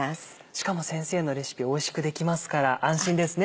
しかも先生のレシピおいしくできますから安心ですね。